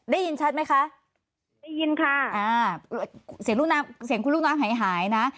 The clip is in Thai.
ได้ยินชัดไหมคะได้ยินค่ะอ่าเสียงลูกน้ำเสียงคุณลูกน้องหายหายนะ